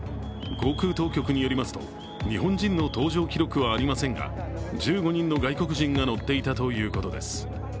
航空当局によりますと日本人の搭乗記録はありませんが１５人の外国人が乗っていたということです。